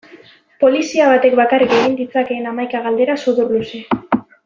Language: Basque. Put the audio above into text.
Polizia batek bakarrik egin ditzakeen hamaika galdera sudurluze.